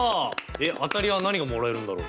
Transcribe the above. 当たりは何がもらえるんだろう？